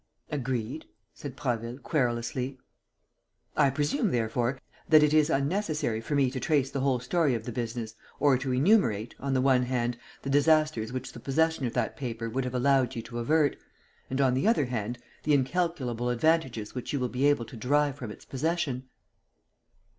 "Agreed," said Prasville, querulously. "I presume, therefore, that it is unnecessary for me to trace the whole story of the business or to enumerate, on the one hand, the disasters which the possession of that paper would have allowed you to avert and, on the other hand, the incalculable advantages which you will be able to derive from its possession?"